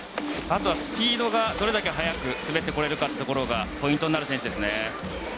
あとはスピードがどれだけ速く滑ってこれるかポイントになる選手ですね。